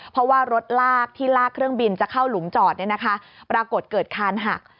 เพราะว่ารถลากที่ลากเครื่องบินจะเข้าหลุมจอดปรากฏเกิดคานหัก